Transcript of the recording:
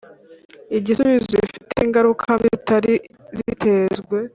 igisubizo bifite ingaruka mbi zitari zitezwe